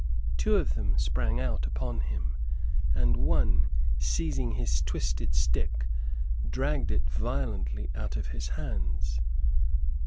Two of them sprang out upon him, and one, seizing his twisted stick, dragged it violently out of his hands.